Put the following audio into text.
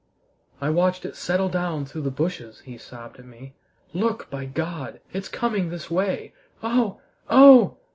"I watched it settle downwards through the bushes," he sobbed at me. "Look, by God! It's coming this way! Oh, oh!"